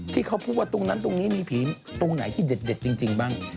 ที่เขาพูดว่าตรงนั้นตรงนี้มีผีตรงไหนที่เด็ดจริงบ้าง